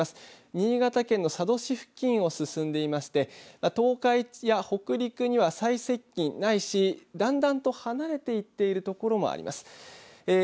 新潟県の佐渡市付近を進んでいまして東海や北陸には最接近、ないしだんだんと離れていっている所もあります。